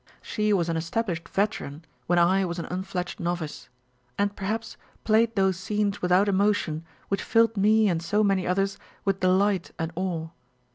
She was an established veteran when I was an unfledged novice ; and, perhaps, played those scenes without emotion which filled me and so many others with delight and awe.